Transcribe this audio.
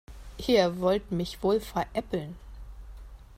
Ihr wollt mich wohl veräppeln.